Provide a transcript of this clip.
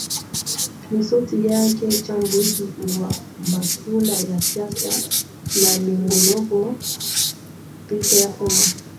ni sauti yake mchambuzi wa masuala ya siasa na migogoro peter ouma